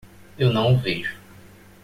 Eu não o vejo.